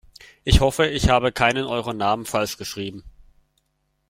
Ich hoffe, ich habe keinen eurer Namen falsch geschrieben.